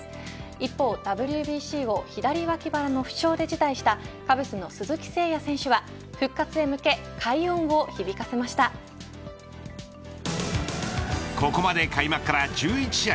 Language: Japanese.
一方、ＷＢＣを左脇腹の負傷で辞退したカブスの鈴木誠也選手は復活へ向けここまで開幕から１１試合